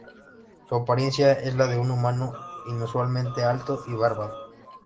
Su apariencia es la de un humano inusualmente alto y barbado.